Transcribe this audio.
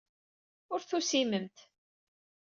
Ur tusimemt.